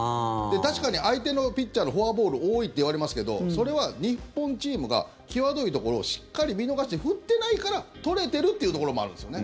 確かに相手のピッチャーのフォアボール多いっていわれますけどそれは日本チームが際どいところをしっかり見逃して振ってないから取れているというところもあるんですよね。